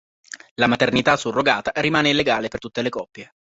La maternità surrogata rimane illegale per tutte le coppie.